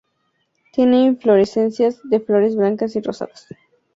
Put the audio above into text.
Tiene inflorescencias de flores blancas y rosadas.